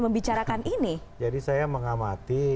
membicarakan ini jadi saya mengamati